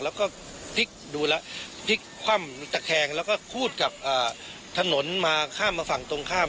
แล้วก็พลิกดูแล้วพลิกคว่ำตะแคงแล้วก็คูดกับถนนมาข้ามมาฝั่งตรงข้าม